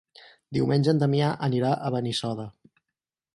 Diumenge en Damià anirà a Benissoda.